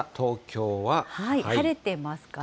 晴れてますかね。